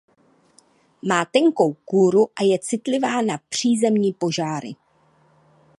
Má tenkou kůru a je citlivá na přízemní požáry.